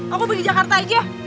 aku pergi jakarta aja